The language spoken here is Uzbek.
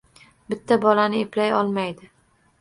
Bitta bolani eplay olmaydi